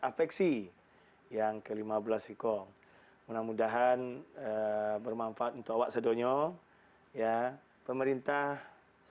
apeksi yang ke lima belas sikong mudah mudahan bermanfaat untuk wakse donyok ya pemerintah selalu